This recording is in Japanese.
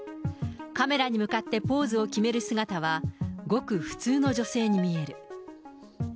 カメラに向かってポーズを決める姿は、ごく普通の女性に見える。